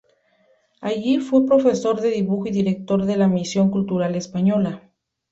Allí fue profesor de dibujo y director de la Misión Cultural Española.